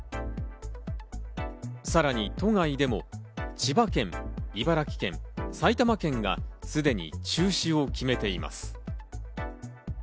さらに都外でも千葉県、茨城県、埼玉県がすでに中止を決めています。